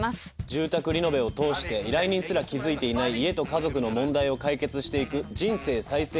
住宅リノベを通して依頼人すら気付いていない家と家族の問題を解決していく人生再生